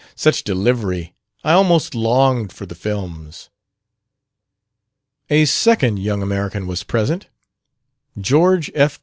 Such delivery! I almost longed for the films." A second "young American" was present George F.